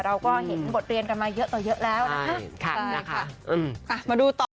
เราก็เห็นบทเรียนเยอะต่อเยอะแล้วนะคะ